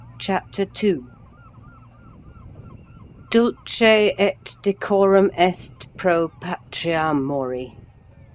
CHAPTER II Dulce et decorum est pro patria mori.